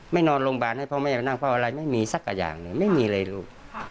นอนโรงพยาบาลให้พ่อแม่ไปนั่งเพราะอะไรไม่มีสักอย่างหนึ่งไม่มีเลยลูก